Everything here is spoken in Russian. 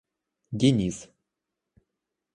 Денис